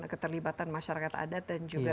keterlibatan masyarakat adat dan juga